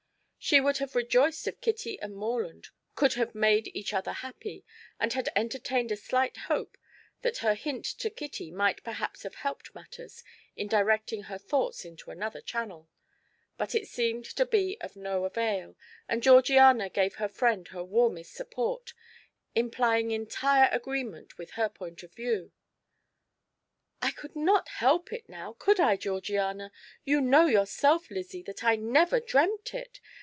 She would have rejoiced if Kitty and Morland could have made each other happy, and had entertained a slight hope that her hint to Kitty might perhaps have helped matters, in directing her thoughts into another channel, but it seemed to be of no avail, and Georgiana gave her friend her warmest support, implying entire agreement with her point of view. "I could not help it, now, could I, Georgiana? You know yourself, Lizzie, that I never dreamt it.